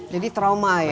jadi trauma ya